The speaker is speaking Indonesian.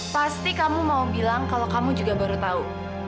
pasti kamu mau bilang kalau kamu juga baru tahu